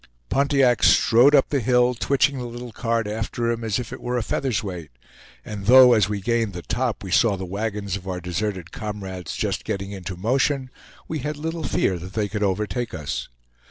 Pontiac strode up the hill, twitching the little cart after him as if it were a feather's weight; and though, as we gained the top, we saw the wagons of our deserted comrades just getting into motion, we had little fear that they could overtake us.